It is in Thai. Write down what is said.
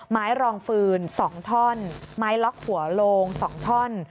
รองฟืน๒ท่อนไม้ล็อกหัวโลง๒ท่อน